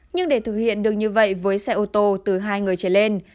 nhưng để thực hiện được như vậy với xe ô tô từ hai người trở lên